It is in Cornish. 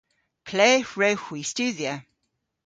Ple hwrewgh hwi studhya?